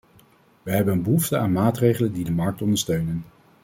Wij hebben een behoefte aan maatregelen die de markt ondersteunen.